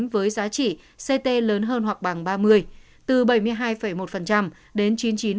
với giá trị ct lớn hơn hoặc bằng ba mươi từ bảy mươi hai một đến chín mươi chín